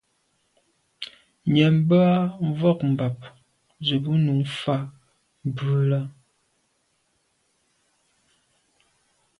Nyəèm bə́ â mvɔ̂k mbàp zə̄ bú nǔ fá mbrʉ́ lɑ́.